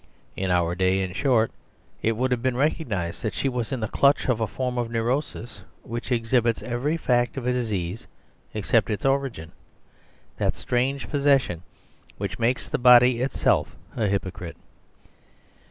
In our day, in short, it would have been recognised that she was in the clutch of a form of neurosis which exhibits every fact of a disease except its origin, that strange possession which makes the body itself a hypocrite.